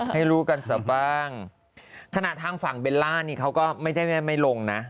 ให้รู้กันซะบ้างขณะทางฝั่งเบลล่านี่เขาก็ไม่ได้ไม่ลงนะ